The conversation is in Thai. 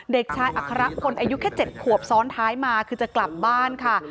เด็กชายอัครพลอายุแค่๗ขวบซ้อนท้ายมาคือจะกลับบ้านค่ะ